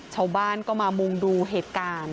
ชาวบ้านก็มามุงดูเหตุการณ์